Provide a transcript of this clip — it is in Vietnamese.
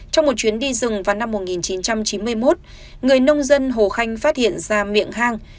trong một chuyến đi rừng vào năm một nghìn chín trăm chín mươi một người nông dân hồ khanh phát hiện ra miệng hang